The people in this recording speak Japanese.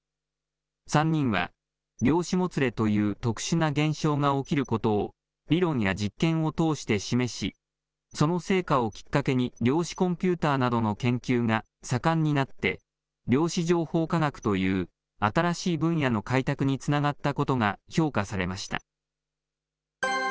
３人は量子もつれという特殊な現象が起きることを理論や実験を通して示し、その成果をきっかけに、量子コンピューターなどの研究が盛んになって、量子情報科学という新しい分野の開拓につながったことが評価されました。